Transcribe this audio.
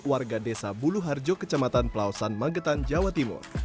warga desa buluharjo kecamatan pelawasan magetan jawa timur